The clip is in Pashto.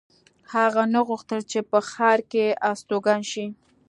هغه نه غوښتل چې په ښار کې استوګن شي